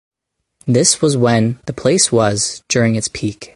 This was when the place was during its peak.